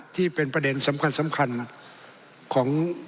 ที่เป็นประเด็นสำคัญของ